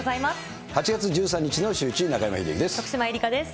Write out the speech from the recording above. ８月１３日のシューイチ、徳島えりかです。